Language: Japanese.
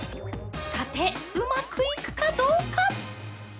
さて、うまくいくかどうか？